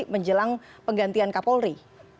menjelang penggantian kapolri